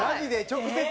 直接？